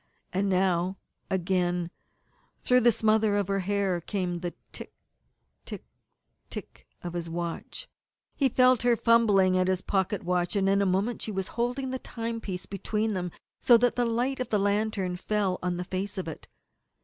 And now, again up through the smother of her hair, came the tick tick tick of his watch. He felt her fumbling at his watch pocket, and in a moment she was holding the timepiece between them, so that the light of the lantern fell on the face of it.